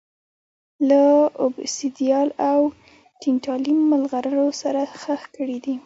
له اوبسیدیان او ډینټالیم مرغلرو سره ښخ کړي دي